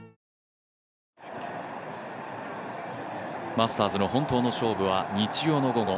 マスターズの本当の勝負は日曜の午後